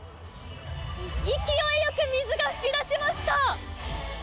勢いよく水が噴き出しました。